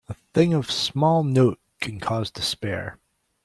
A thing of small note can cause despair.